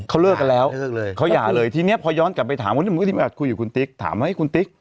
เขาเลือกกันแล้วเขาหย่าเลยทีเนี้ยพอย้อนกลับไปถามคุยกับคุณติ๊กถามไว้คุณติ๊ก